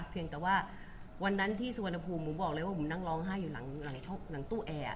เพราะว่าวันนั้นที่สุวรรณภูมิผมบอกเลยว่าผมนั่งร้องไห้อยู่หลังตู้แอร์